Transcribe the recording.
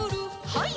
はい。